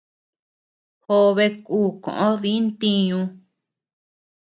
Jobe ku koʼo di ntiñu.